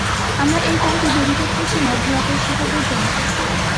আমরা এই গানটি ডেডিকেট করছি মধ্যরাতের শিকাগোর জন্য।